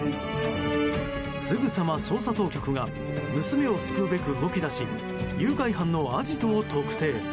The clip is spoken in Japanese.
すぐさま捜査当局が娘を救うべく動き出し誘拐犯のアジトを特定。